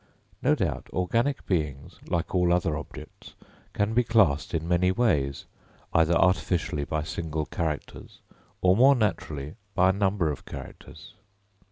No doubt organic beings, like all other objects, can be classed in many ways, either artificially by single characters, or more naturally by a number of characters.